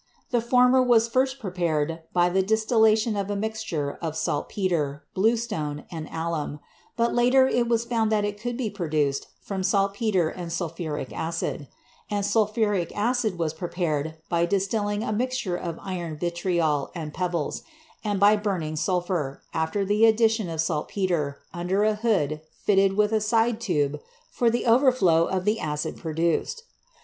The former was first prepared by the distillation of a mix ture of saltpeter, blueslone and alum, but later it was found that it could be produced from saltpeter and sulphuric acid; and sulphuric acid was prepared by dis tilling a mixture of iron vitriol and pebbles, and by burn ing sulphur, after the addition of saltpeter, under a hood fitted with a side tube for the overflow of the acid pro duced.